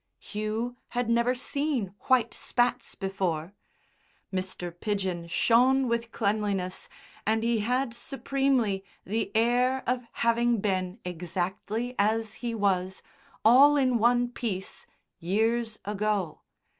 Hugh had never seen white spats before. Mr. Pidgen shone with cleanliness, and he had supremely the air of having been exactly as he was, all in one piece, years ago.